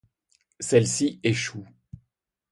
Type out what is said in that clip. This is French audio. Celle-ci échoue.